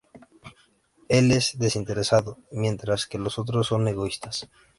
Él es desinteresado, mientras que los otros son egoístas.